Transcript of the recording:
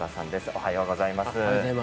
おはようございます。